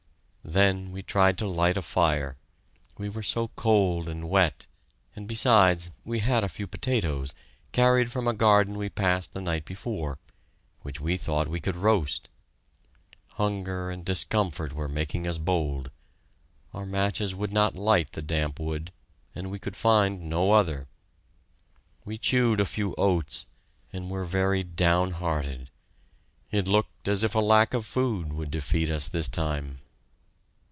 Then we tried to light a fire we were so cold and wet, and, besides, we had a few potatoes, carried from a garden we passed the night before, which we thought we could roast. Hunger and discomfort were making us bold. Our matches would not light the damp wood, and we could find no other. We chewed a few oats, and were very down hearted. It looked as if lack of food would defeat us this time!